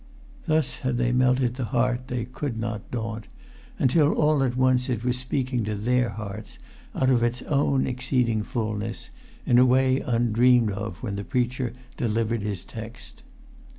Thus had they melted the heart they could not daunt, until all at once it was speaking to their hearts out of its own exceeding fulness, in a way undreamed of when the preacher delivered his text.